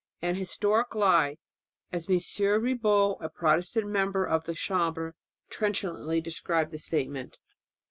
"An historic lie," as M. Ribot, a Protestant member of the Chambre, trenchantly described the statement.